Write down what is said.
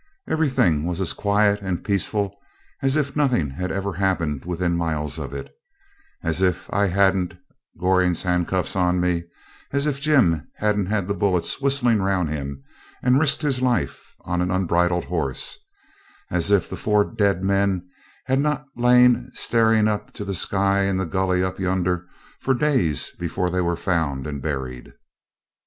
Everything was as quiet and peaceful as if nothing had ever happened within miles of it as if I hadn't had Goring's handcuffs on me as if Jim hadn't had the bullets whistling round him, and risked his life on an unbridled horse as if the four dead men had not lain staring up to the sky in the gully up yonder for days before they were found and buried.